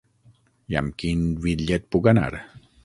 I amb quin bitllet puc anar?